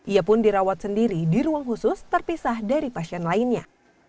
ia pun dirawat sendiri di ruang khusus terpisah dari pasien lainnya